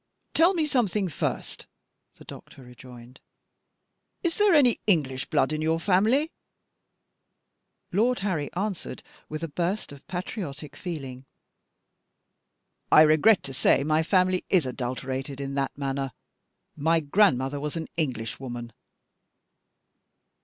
"Tell me something first," the doctor rejoined. "Is there any English blood in your family?" Lord Harry answered with a burst of patriotic feeling: "I regret to say my family is adulterated in that manner. My grandmother was an Englishwoman."